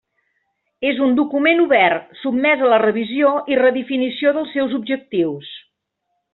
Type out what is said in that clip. És un document obert, sotmés a la revisió i redefinició dels seus objectius.